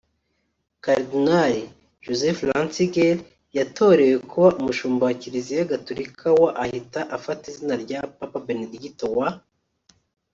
Kalidinari Joseph Ratzinger yatorewe kuba umushumba wa Kiliziya Gatolika wa ahita afata izina rya Papa Benedigito wa